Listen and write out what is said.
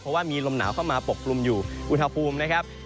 เพราะว่ามีลมหนาวเข้ามาปกกลุ่มอยู่อุณหภูมินะครับ